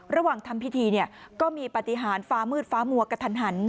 ระหว่างทำพิธีก็มีปฏิหารฟ้ามืดฟ้ามัวกระทันหัน